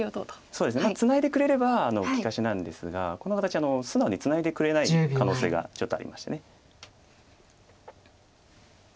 ツナいでくれれば利かしなんですがこの形素直にツナいでくれない可能性がちょっとありまして。